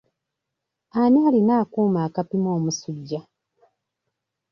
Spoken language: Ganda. Ani alina akuuma akapima omusujja?